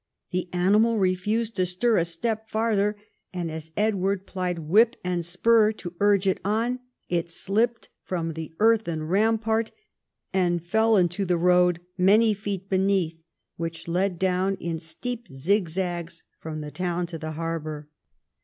The animal refused to stir a step farther, and as Edward plied whip and spur to urge it on, it slipped from the earthen rampart, and fell into the road, many feet beneath, which led down in sharp zig zags from the tOAvn to the harbour.